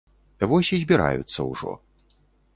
Вось і збіраюцца ўжо.